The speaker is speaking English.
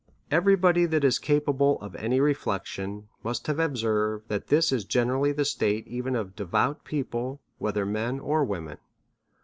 Every body that is capable of any re flection must have observed, that this is generally the DEVOUT AND HOLY LIFE. 11 state even of devout people, whether men or women.